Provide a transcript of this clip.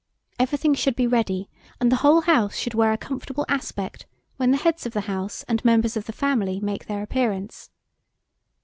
Everything should be ready, and the whole house should wear a comfortable aspect when the heads of the house and members of the family make their appearance.